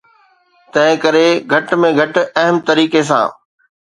تنهن ڪري گهٽ ۾ گهٽ اهم طريقي سان.